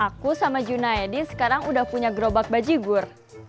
aku sama junaedi sekarang udah punya gerobak baji gur